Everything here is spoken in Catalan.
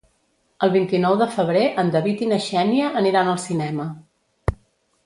El vint-i-nou de febrer en David i na Xènia aniran al cinema.